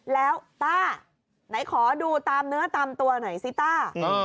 แล้วต้าไหนขอดูตามเนื้อตามตัวหน่อยซิต้า